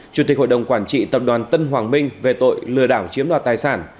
chủ tịch hội đồng quản trị tập đoàn tân hoàng minh về tội lừa đảo chiếm đoạt tài sản